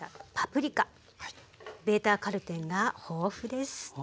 ベータカロテンが豊富です。